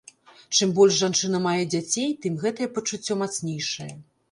Чым больш жанчына мае дзяцей, тым гэтае пачуццё мацнейшае.